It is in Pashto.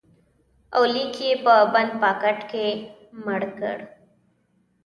اولیک یې په بند پاکټ کې مړ کړ